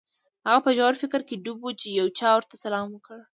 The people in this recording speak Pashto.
هغه په ژور فکر کې ډوب و چې یو چا ورته سلام وکړ